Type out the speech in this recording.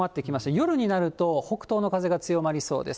夜になると、北東の風が強まりそうです。